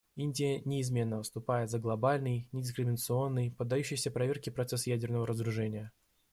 Индия неизменно выступает за глобальный, недискриминационный, поддающийся проверке процесс ядерного разоружения.